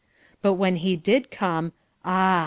But when he did come, ah!